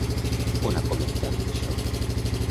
On ha comentat això?